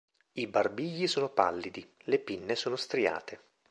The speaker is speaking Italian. I barbigli sono pallidi, le pinne sono striate.